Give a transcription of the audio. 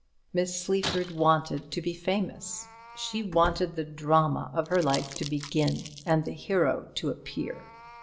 Miss Sleaford wanted to be famous. She wanted the drama of her life to begin, and the hero to appear.